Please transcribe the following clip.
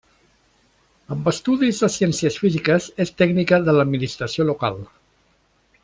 Amb estudis de ciències físiques, és tècnica de l'Administració Local.